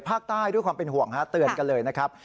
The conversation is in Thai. ด้วยความเป็นห่วงฮะเตือนกันเลยนะครับ